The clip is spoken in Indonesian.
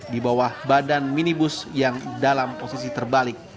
di bawah badan minibus yang dalam posisi terbalik